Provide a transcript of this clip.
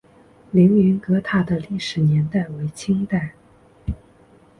凌云阁塔的历史年代为清代。